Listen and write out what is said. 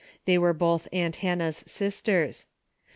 The}^ were both aunt Hannah's sis ters.